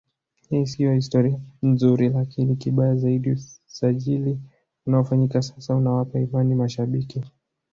Hii sio historia nzuri lakini kibaya zaidi usajili unaofanyika sasa unawapa imani mashabiki